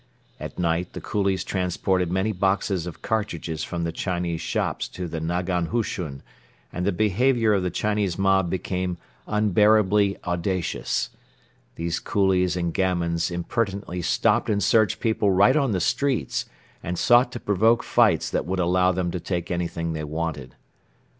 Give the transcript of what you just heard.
At night the coolies transported many boxes of cartridges from the Chinese shops to the nagan hushun and the behaviour of the Chinese mob became unbearably audacious. These coolies and gamins impertinently stopped and searched people right on the streets and sought to provoke fights that would allow them to take anything they wanted.